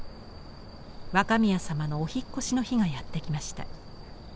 若宮様のお引っ越しの日がやって来ました。